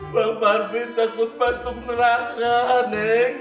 bang parmin takut bantung neraka neng